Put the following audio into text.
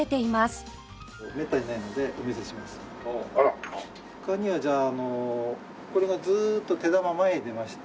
他にはじゃあこれがずーっと手球前に出まして